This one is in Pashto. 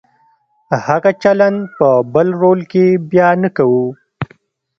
هغه چلند په بل رول کې بیا نه کوو.